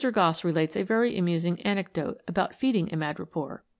Gosse relates a very amusing anecdote about feeding a madrepore.